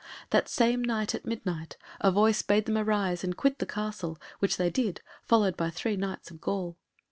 That same night at midnight a voice bade them arise and quit the castle, which they did, followed by three Knights of Gaul.